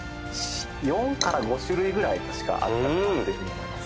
４から５種類ぐらい確かあったかなというふうに思います